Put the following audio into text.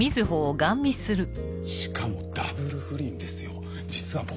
しかもダブル不倫ですよ実は僕。